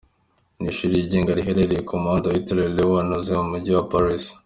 Ni ishuri ryigenga riherereye ku muhanda witiriwe Léon Heuzey mu Mujyi wa Paris.